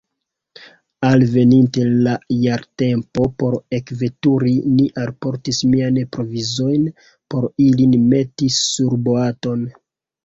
Alveninte la jartempo por ekveturi, ni alportis miajn provizojn por ilin meti surboaton.